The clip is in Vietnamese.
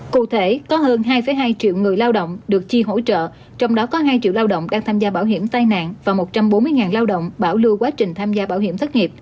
cụ thể có hơn hai hai triệu người lao động được chi hỗ trợ trong đó có hai triệu lao động đang tham gia bảo hiểm tai nạn và một trăm bốn mươi lao động bảo lưu quá trình tham gia bảo hiểm thất nghiệp